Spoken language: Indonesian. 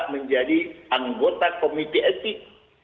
menjadi anggota komite etik